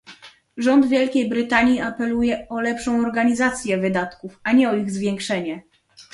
Rząd Wielkiej Brytanii apeluje o lepszą organizację wydatków, a nie o ich zwiększenie